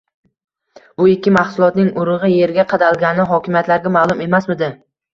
bu ikki maxsulotning urug‘i yerga qadalgani hokimiyatlarga ma’lum emasmidi?